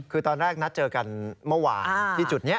คือตอนแรกนัดเจอกันเมื่อวานที่จุดนี้